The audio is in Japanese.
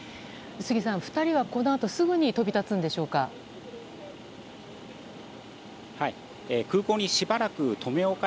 杉さん、２人はこのあとすぐに飛び立つんでしょうか？